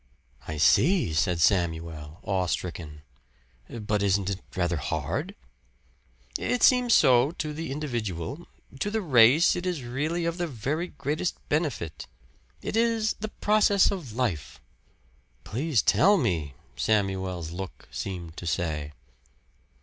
"I see," said Samuel, awestricken. "But isn't it rather hard?" "It seems so to the individual. To the race it is really of the very greatest benefit. It is the process of life." "Please tell me," Samuel's look seemed to say.